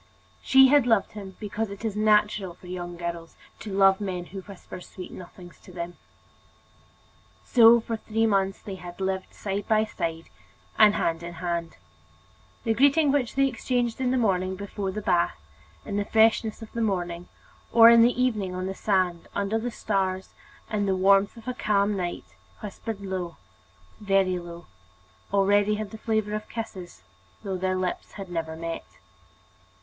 She had loved him because it is natural for young girls to love men who whisper sweet nothings to them. So, for three months, they had lived side by side, and hand in hand. The greeting which they exchanged in the morning before the bath, in the freshness of the morning, or in the evening on the sand, under the stars, in the warmth of a calm night, whispered low, very low, already had the flavor of kisses, though their lips had never met.